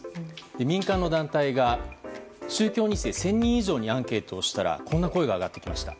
民間の団体が宗教２世１０００人以上にアンケートをしたらこんな声が上がってきました。